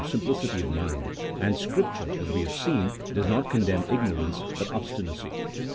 XIV, simplicity of mind, and Scripture, as we have seen, does not condemn ignorance, but obstinacy.